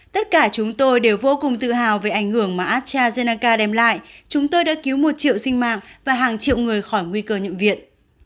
tất cả chúng tôi đều vô cùng tự hào về ảnh hưởng mà astrazeneca đem lại chúng tôi đã cứu một triệu sinh mạng và hàng triệu người khỏi nguy cơ nhiễm viện